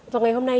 vào ngày hôm nay